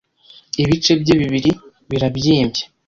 Ibice bye bibiri birabyimbye